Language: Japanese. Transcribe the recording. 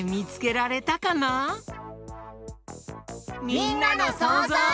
みんなのそうぞう。